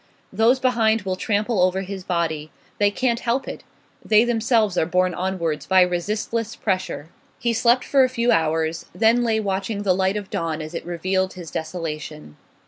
Those behind will trample over his body; they can't help it; they themselves are borne onwards by resistless pressure. He slept for a few hours, then lay watching the light of dawn as it revealed his desolation.